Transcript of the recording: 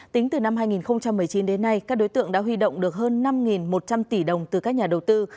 tính từ năm hai nghìn một mươi chín đến nay các đối tượng đã huy động được hơn năm một trăm linh tỷ đồng từ các nhà đầu tư